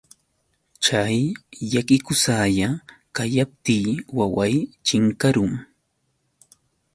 Chay llakikusalla kayaptiy waway chinkarun.